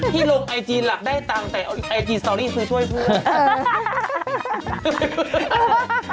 ลงไอจีหลักได้ตังค์แต่ไอจีสตอรี่คือช่วยเพื่อน